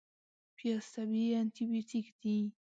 پیاز طبیعي انتي بیوټیک دی